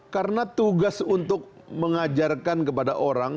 karena tugas untuk mengajarkan kepada orang